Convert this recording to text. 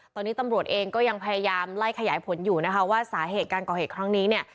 ตอนนี้ตำรวจเองก็ยังพยายามไล่ขยายผลอยู่นะคะว่าสาเหตุการก่อเหตุครั้งนี้เนี่ย